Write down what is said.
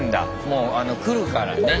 もう来るからね